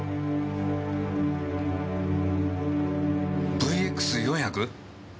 ＶＸ４００？